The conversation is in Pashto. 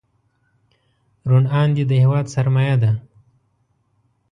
روڼ اندي د هېواد سرمایه ده.